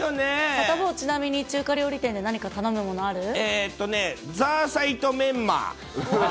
サタボー、ちなみに、中華料えーっとね、ザーサイとメンマ。